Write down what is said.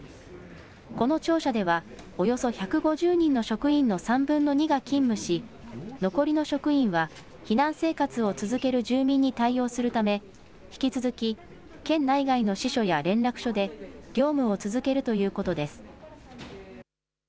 この庁舎では、およそ１５０人の職員の３分の２が勤務し、残りの職員は避難生活を続ける住民に対応するため、引き続き県内外の支所や連絡所で業務を続けるということです。